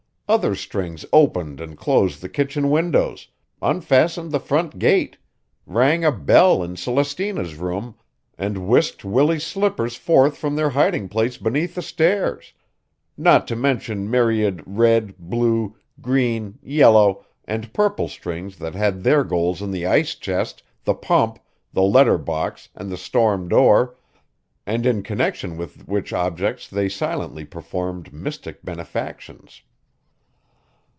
Other strings opened and closed the kitchen windows, unfastened the front gate, rang a bell in Celestina's room, and whisked Willie's slippers forth from their hiding place beneath the stairs; not to mention myriad red, blue, green, yellow, and purple strings that had their goals in the ice chest, the pump, the letter box, and the storm door, and in connection with which objects they silently performed mystic benefactions.